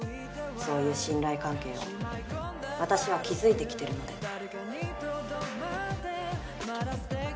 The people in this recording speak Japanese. そういう信頼関係を私は築いてきてるので。